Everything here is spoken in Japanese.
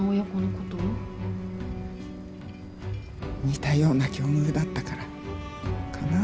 似たような境遇だったからかな。